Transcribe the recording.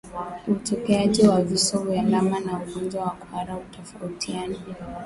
Utokeaji wa vifo vya ndama kwa ugonjwa wa kuhara hutofautiana